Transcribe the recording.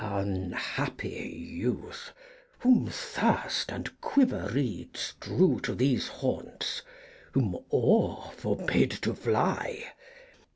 " Unhappy youth, whom thirst and quiver reeds Drew to these haunts, whom awe forbade to fly